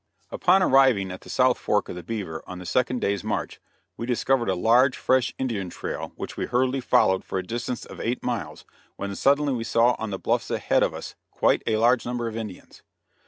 Upon arriving at the south fork of the Beaver on the second day's march, we discovered a large, fresh Indian trail which we hurriedly followed for a distance of eight miles, when suddenly we saw on the bluffs ahead of us, quite a large number of Indians.